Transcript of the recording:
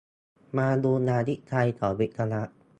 มาดูงานวิจัยของวิศวะ